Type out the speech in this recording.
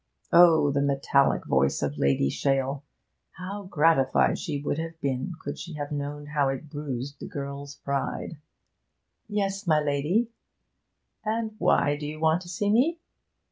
Oh, the metallic voice of Lady Shale! How gratified she would have been could she have known how it bruised the girl's pride! 'Yes, my lady ' 'And why do you want to see me?'